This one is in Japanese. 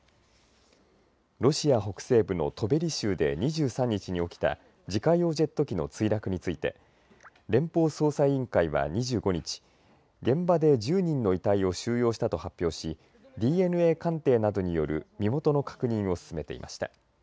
ロシア北西部のトベリ州で２３日に起きた自家用ジェット機の墜落について連邦捜査委員会は２５日現場で１０人の遺体を収容したと発表しＤＮＡ鑑定などによる身元の確認を進めていました。